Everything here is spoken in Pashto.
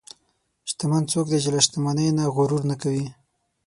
شتمن څوک دی چې له شتمنۍ نه غرور نه کوي.